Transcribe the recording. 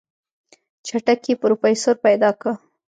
چټک پې پروفيسر پيدا که.